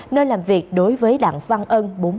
nơi làm việc đối với đảng văn ân